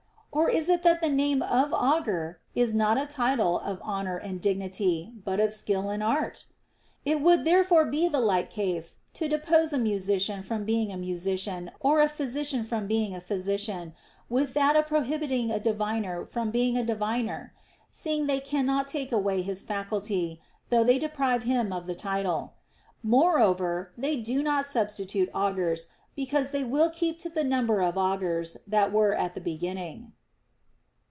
Or is it that the name of augur is not a title of honor and dignity, but of skill and art ? It would therefore be the like case to depose a musician from being a musician or a physician from being a physician, with that of prohibiting a diviner from being a diviner ; seeing they cannot take away his faculty, though they deprive him of the title. Moreover they do not substitute augurs, because they will keep to the number of augurs that were at the beginning.